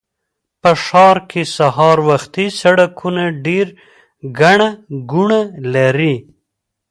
په ښار کې سهار وختي سړکونه ډېر ګڼه ګوڼه لري